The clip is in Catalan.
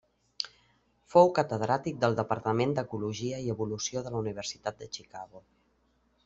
Fou catedràtic del Departament d'Ecologia i Evolució de la Universitat de Chicago.